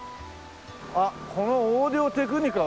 あっこのオーディオテクニカ